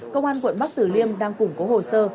công an quận bắc tử liêm đang củng cố hồ sơ